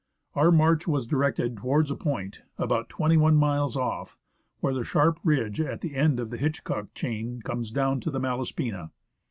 Our march was directed towards a point, about 21 miles off, where the sharp ridge at the end of the Hitchcock chain comes down to the Malaspina.